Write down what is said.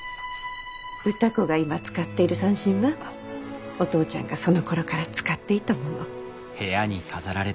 歌子が今使っている三線はお父ちゃんがそのころから使っていたもの。